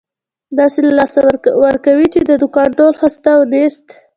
داسې له لاسه ورکوې، چې د دوکان ټول هست او نیست.